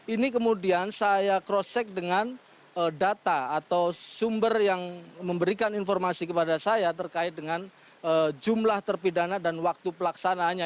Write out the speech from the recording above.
ini kemudian saya cross check dengan data atau sumber yang memberikan informasi kepada saya terkait dengan jumlah terpidana dan waktu pelaksanaannya